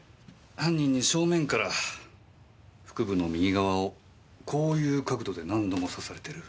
犯人に正面から腹部の右側をこういう角度で何度も刺されてる。